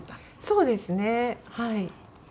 そうですねはい。